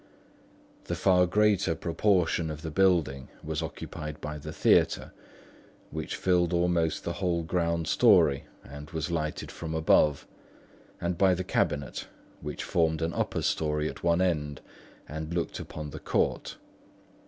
The far greater proportion of the building was occupied by the theatre, which filled almost the whole ground storey and was lighted from above, and by the cabinet, which formed an upper storey at one end and looked upon the court.